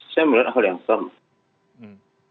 saya melihat hal yang sama